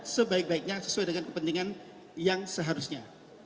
sebaik baiknya sesuai dengan kepentingan yang seharusnya